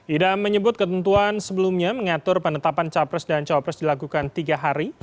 idam menyebut ketentuan sebelumnya mengatur penetapan capres dan cawapres dilakukan tiga hari